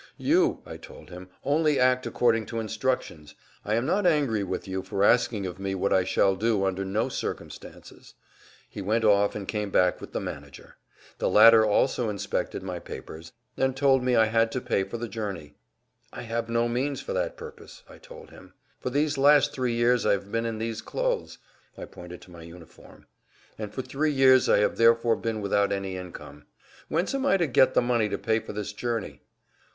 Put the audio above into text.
"You," I told him, "only act according to instructions. I am not angry with you for asking of me what I shall do under no circumstances." He went off and came back with the manager. The latter also inspected my papers and told me I had to pay for the journey. "I have no[Pg 181] means for that purpose," I told him. "For these last three years I have been in these clothes" (I pointed to my uniform), "and for three years I have therefore been without any income. Whence am I to get the money to pay for this journey?"